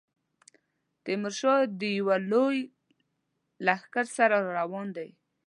تیمورشاه د یوه لوی لښکر سره را روان دی.